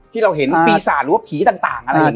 ที่เราเห็นปีศาจหรือว่าผีต่างอะไรอย่างนี้